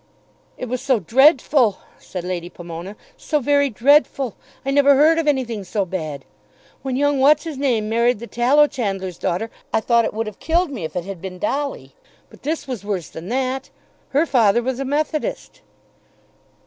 "It was so dreadful," said Lady Pomona; "so very dreadful. I never heard of anything so bad. When young what's his name married the tallow chandler's daughter I thought it would have killed me if it had been Dolly; but this was worse than that. Her father was a methodist."